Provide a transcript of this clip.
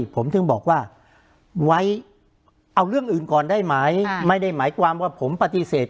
ผมถือว่าเอาเรื่องอื่นก่อนได้ไหมไม่ได้แปลงว่าความว่าผมปฏิเสธ